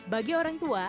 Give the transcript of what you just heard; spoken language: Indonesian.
bagi orang tua